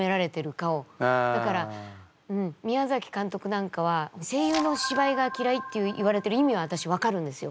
だから宮崎監督なんかは声優の芝居がきらいって言われてる意味は私分かるんですよ。